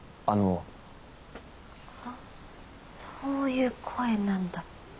あそういう声なんだ。